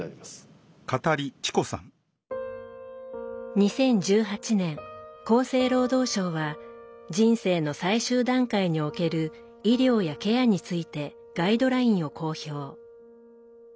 ２０１８年厚生労働省は人生の最終段階における医療やケアについてガイドラインを公表。